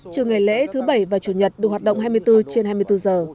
trừ ngày lễ thứ bảy và chủ nhật đủ hoạt động hai mươi bốn trên hai mươi bốn giờ